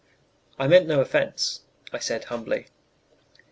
"I meant no offence," I said humbly.